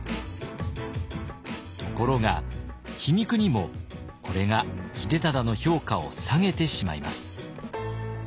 ところが皮肉にもこれが秀忠の評価を下げてしまいます。